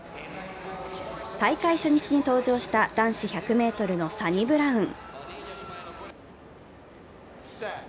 大会初日に登場した男子１００ｍのサニブラウン。